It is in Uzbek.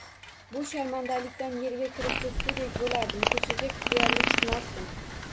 Bu sharmandalikdan erga kirib ketgudek bo`lardim, ko`chaga deyarli chiqmasdim